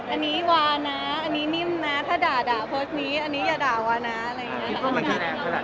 อันนี้วานะอันนี้นิ่มนะถ้าด่าโพสต์นี้อันนี้อย่าด่าวานะอะไรอย่างนี้